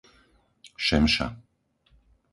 Šemša